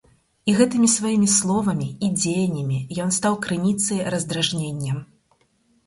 І гэтымі сваімі словамі і дзеяннямі ён стаў крыніцай раздражнення.